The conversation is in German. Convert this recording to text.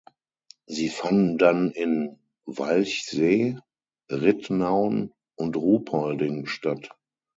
Sie fanden dann in Walchsee, Ridnaun und Ruhpolding statt.